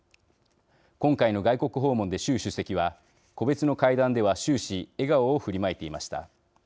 今回の外国訪問で習主席は個別の会談では終始笑顔を振りまいていました。